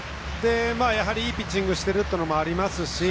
いいピッチングをしているというのもありますし